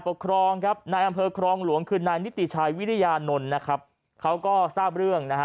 ครับนายอำเภอครองหลวงคือนายนิติชัยวิริยานนท์นะครับเขาก็ทราบเรื่องนะฮะ